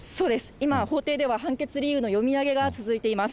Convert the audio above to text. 今、法廷では判決理由の読み上げが続いています。